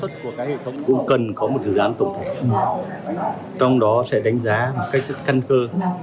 cũng cần có một dự án tổng thể trong đó sẽ đánh giá một cách thân cơ